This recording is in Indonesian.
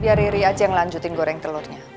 biar riri aja yang lanjutin goreng telurnya